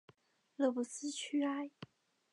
勒布斯屈埃。